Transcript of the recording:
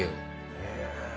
へえ。